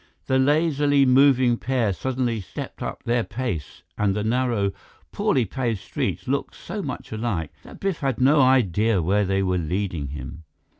The lazily moving pair suddenly stepped up their pace and the narrow, poorly paved streets looked so much alike that Biff had no idea where they were leading him.